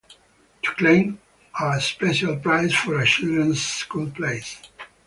To claim our special prize for a children's school place.